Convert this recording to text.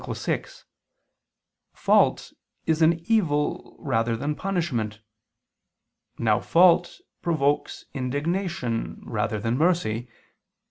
6), fault is an evil rather than punishment. Now fault provokes indignation rather than mercy.